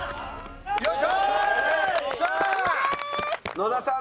野田さん